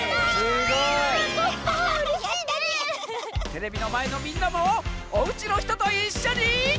テレビのまえのみんなもおうちのひとといっしょに。